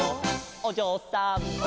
「おじょうさん」